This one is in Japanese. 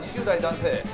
２０代男性」